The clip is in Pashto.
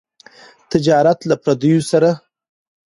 تجارت له پرديو سره.